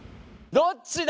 どっちだ？